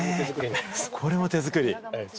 これも手作り？